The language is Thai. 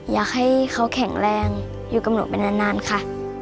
อยากให้เขาแข็งแรงอยู่กับหนูไปนานค่ะ